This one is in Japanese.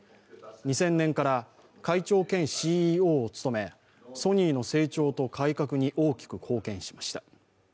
２０００年から会長兼ＣＥＯを務め、ソニーの成長と改革に大きく貢献しました。